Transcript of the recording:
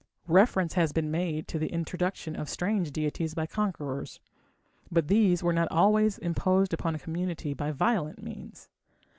Reference has been made to the introduction of strange deities by conquerors. But these were not always imposed upon a community by violent means.